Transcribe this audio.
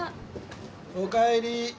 おかえり。